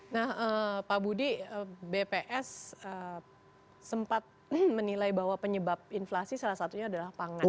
nah pak budi bps sempat menilai bahwa penyebab inflasi salah satunya adalah pangan